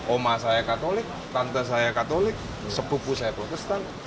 oma saya katolik tante saya katolik sepupu saya protestan